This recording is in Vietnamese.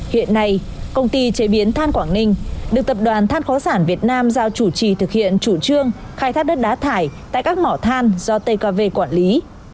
hiện nay công ty chế biến than quảng ninh được tập đoàn than khoáng sản việt nam giao chủ trì thực hiện chủ trương khai thác đất đá thải tại các mỏ than do tkv quản lý